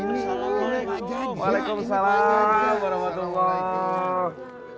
assalamualaikum warahmatullahi wabarakatuh